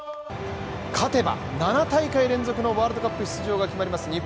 勝てば７大会連続のワールドカップ出場が決まります